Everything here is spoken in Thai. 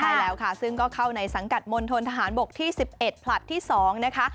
ใช่แล้วค่ะซึ่งก็เข้าในสังกัดมณฑนทหารบกที่๑๑ผลัดที่๒นะคะ